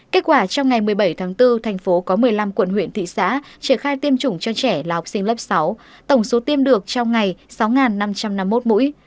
kết quả trong ngày một mươi bảy tháng bốn thành phố có một mươi năm quận huyện thị xã triển khai tiêm chủng cho trẻ là học sinh lớp sáu tổng số tiêm được trong ngày sáu năm trăm năm mươi một mũi